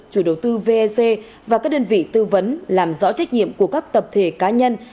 chủ đầu tư vec và các đơn vị tư vấn làm rõ trách nhiệm của các tập thể cá nhân